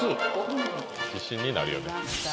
自信になるよね